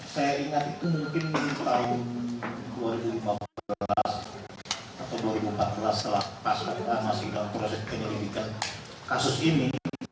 saya ingat itu mungkin tahun dua ribu empat belas atau dua ribu empat belas setelah pas kita masih dalam proses penyelidikan kasus ini